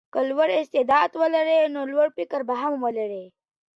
که لوړ استعداد ولرې نو لوړ افکار به هم ولرې.